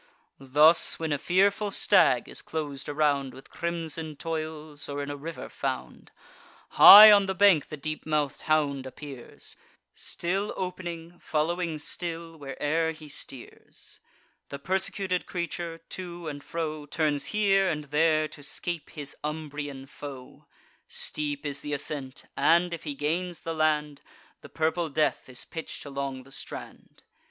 Thus, when a fearful stag is clos'd around With crimson toils, or in a river found, High on the bank the deep mouth'd hound appears, Still opening, following still, where'er he steers; The persecuted creature, to and fro, Turns here and there, to scape his Umbrian foe: Steep is th' ascent, and, if he gains the land, The purple death is pitch'd along the strand.